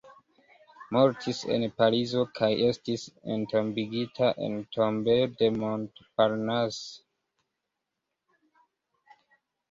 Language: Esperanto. Mortis en Parizo kaj estis entombigita en Tombejo de Montparnasse.